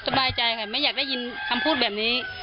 สบายใจค่ะไม่อยากได้ยินคำพูดแบบนี้